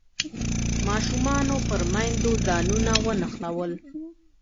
ماشومانو پر میندو ځانونه ونښلول.